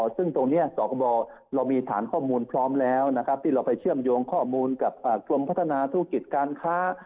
ซึ่งตรงนี้สกบเรามีฐานข้อมูลพร้อมแล้วนะครับที่เราไปเชื่อมโยงข้อมูลกับกรมพัฒนาธุรกิจการค้า